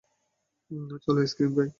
চল আইসক্রিম খাই।